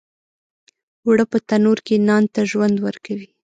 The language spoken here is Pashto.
اوړه په تنور کې نان ته ژوند ورکوي